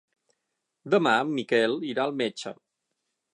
Demà en Miquel irà al metge.